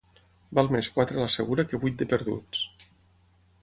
Val més quatre a la segura que vuit de perduts.